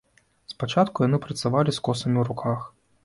Спачатку яны працавалі з косамі ў руках.